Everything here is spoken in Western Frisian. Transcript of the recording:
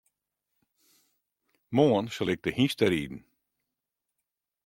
Moarn sil ik te hynsteriden.